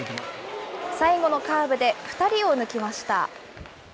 最後のカーブで２人を抜きました。